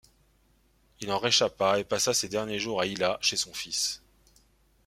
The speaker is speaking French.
Il en réchappa et passa ses derniers jours à Hilla, chez son fils.